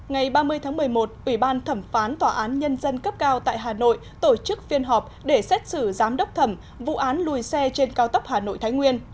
ngày ba mươi tháng một mươi một ủy ban thẩm phán tòa án nhân dân cấp cao tại hà nội tổ chức phiên họp để xét xử giám đốc thẩm vụ án lùi xe trên cao tốc hà nội thái nguyên